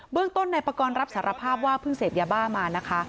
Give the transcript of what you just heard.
เรื่องต้นนายปากรรับสารภาพว่าเพิ่งเสพยาบ้ามานะคะ